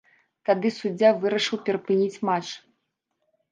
Тады суддзя вырашыў перапыніць матч.